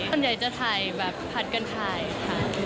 ส่วนใหญ่จะถ่ายแบบผัดกันถ่ายค่ะ